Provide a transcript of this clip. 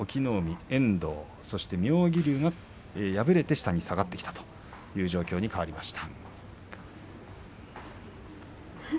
阿武咲、隠岐の海そして妙義龍が破れて下に下がってきたという状況に変わりました。